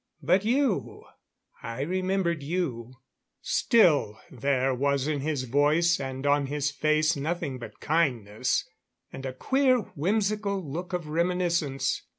But you I remembered you " Still there was in his voice and on his face nothing but kindness and a queer whimsical look of reminiscence.